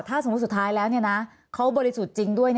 ถ้าสมมุติสุดท้ายแล้วเขาบริสุทธิ์จริงด้วย